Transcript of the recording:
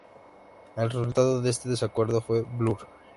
El resultado de este desacuerdo fue Blur.